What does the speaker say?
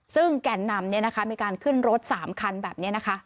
ซึ่งแก่นนำมีการขึ้นรถ๓คันแบบนี้นะคะ